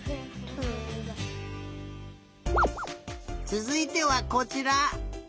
つづいてはこちら。